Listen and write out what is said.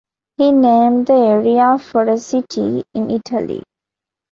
He named the area for a city in Italy.